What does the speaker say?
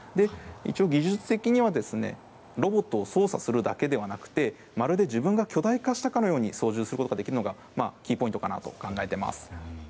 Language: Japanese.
一応、技術的にはロボットを操作するだけでなくまるで自分が巨大化したかのように操縦することができるのがキーポイントかなと考えています。